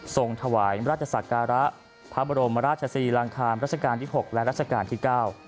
ส่งถวายราชศักระพระบรมราชศรีลังคารราชการที่๖และรัชกาลที่๙